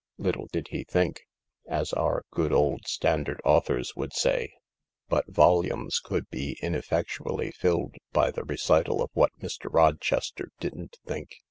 ... Little did he think — as our good old standard authors would say ... But volumes could be ineffectually filled by the recital of what Mr. Rochester didn't think.